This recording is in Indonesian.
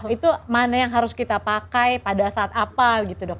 itu mana yang harus kita pakai pada saat apa gitu dok